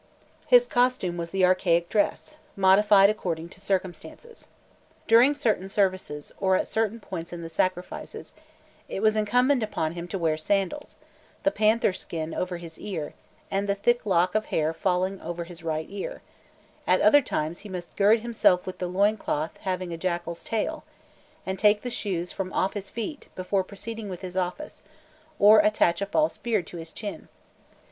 His costume was the archaic dress, modified according to circumstances. During certain services, or at certain points in the sacrifices, it was incumbent upon him to wear sandals, the panther skin over his shoulder, and the thick lock of hair falling over his right ear; at other times he must gird himself with the loin cloth having a jackal's tail, and take the shoes from off his feet before proceeding with his office, or attach a false beard to his chin.